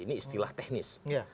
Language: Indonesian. ini istilah teknis